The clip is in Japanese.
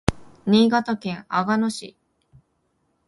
新潟県阿賀野市